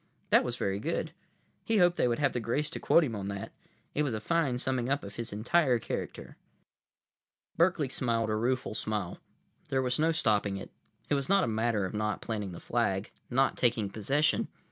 That was very good. He hoped they would have the grace to quote him on that. It was a fine summing up of his entire character. Berkeley smiled a rueful smile. There was no stopping it. It was not a matter of not planting the flag, not taking possession.